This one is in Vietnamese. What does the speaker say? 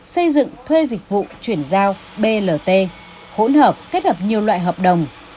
xây dựng thuê dịch vụ chuyển giao blt hỗn hợp kết hợp nhiều loại hợp đồng